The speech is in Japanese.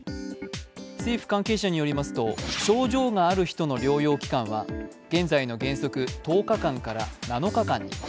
政府関係者によると症状がある人の療養期間は現在の原則１０日間から７日間に。